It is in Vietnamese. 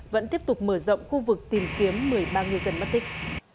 vẫn tiếp tục mở rộng khu vực tìm kiếm một mươi ba ngư dân mất tích